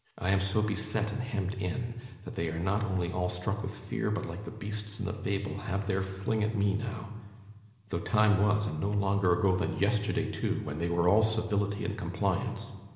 I am so beset and hemmed in, that they are not only all struck with fear, but, like the beasts in the fable, have their fling at me now, though time was, and no longer ago than yesterday too, when they were all civility and compliance.